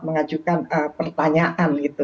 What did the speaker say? maka dia tidak dapat mengajukan pertanyaan